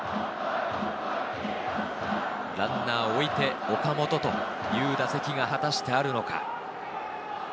ランナーを置いて岡本という打席が果たしてあるのか。